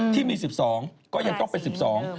ที่มี๑๒ก็ยังต้องเป็น๑๒